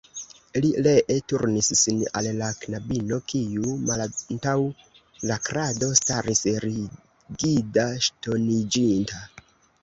Li ree turnis sin al la knabino, kiu malantaŭ la krado staris rigida, ŝtoniĝinta.